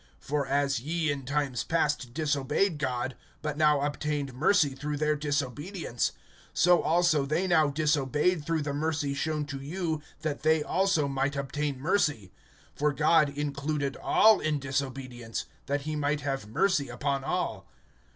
(30)For as ye in times past disobeyed God, but now obtained mercy through their disobedience; (31)so also they now disobeyed through the mercy shown to you, that they also might obtain mercy. (32)For God included all in disobedience[11:32], that he might have mercy upon all.